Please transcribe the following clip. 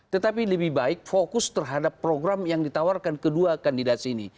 tetapi lebih baik fokus terhadap program yang ditawarkan kedua kandidat ini